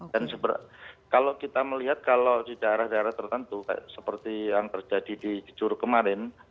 dan kalau kita melihat kalau di daerah daerah tertentu seperti yang terjadi di juru kemarin